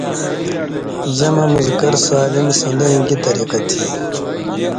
جمع مذکر سالم سن٘دَئیں گی طریۡقہ تھی؟